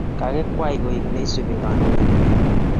Kokikwei koek neisupi kandoindet neo